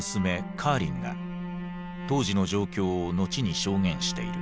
カーリンが当時の状況を後に証言している。